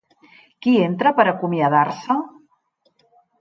Qui entra per acomiadar-se?